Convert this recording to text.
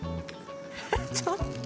ちょっと。